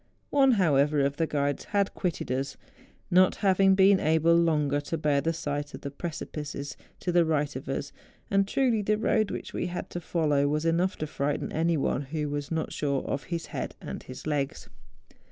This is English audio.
One, however, of the guides had quitted us, not having been able longer to bear the sight of the precipices to the right of us; and truly the road which we had to follow was enough to frighten any one who was not sure of his head and his legs.